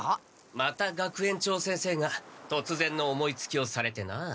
また学園長先生がとつぜんの思いつきをされてな。